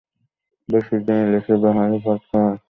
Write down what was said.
বৃষ্টির দিনে ইলিশের বাহারি পদ খাওয়ার ইচ্ছে অনেকেরই বেড়ে যায়।